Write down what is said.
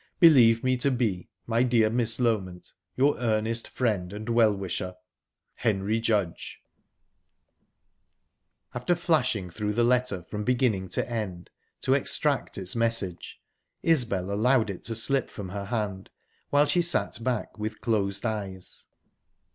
"Believe me to be, my dear Miss Loment, your earnest friend and well wisher. "Henry Judge" After flashing through the letter from beginning to end, to extract its message, Isbel allowed it to slip from her hand, while she sat back with close eyes...